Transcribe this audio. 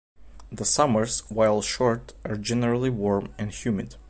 The summers, while short, are generally warm and humid.